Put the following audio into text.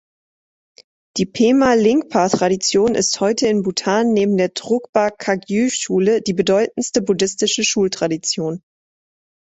Die Pema-Lingpa-Tradition ist heute in Bhutan neben der Drukpa-Kagyü-Schule die bedeutendste buddhistische Schultradition.